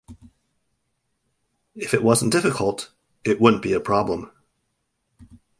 If it wasn't difficult, it wouldn't be a problem.